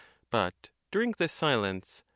But, during this silence, C.